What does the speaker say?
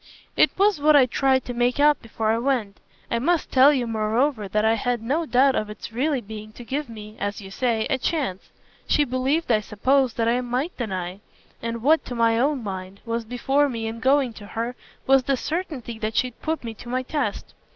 "It was what I tried to make out before I went. I must tell you moreover that I had no doubt of its really being to give me, as you say, a chance. She believed, I suppose, that I MIGHT deny; and what, to my own mind, was before me in going to her was the certainty that she'd put me to my test.